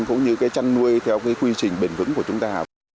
cũng như chăn nuôi theo quy trình bền vững của chúng ta